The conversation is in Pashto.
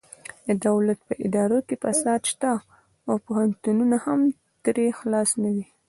د دولت په ادارو کې فساد شته او پوهنتونونه هم ترې خلاص نه دي